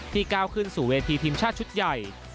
ก้าวขึ้นสู่เวทีทีมชาติชุดใหญ่